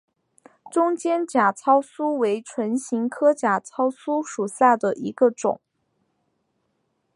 中间假糙苏为唇形科假糙苏属下的一个种。